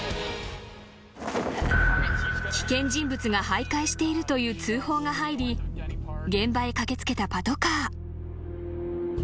［危険人物が徘徊しているという通報が入り現場へ駆け付けたパトカー］